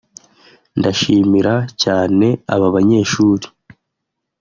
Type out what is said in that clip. ndashimira cyane aba banyeshuri